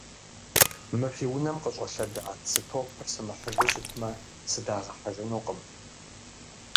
Мы фи унэм къыщӀэлъэда цы топыр сымыхьыжу щытмэ, сыдагъэхьэжынукъым.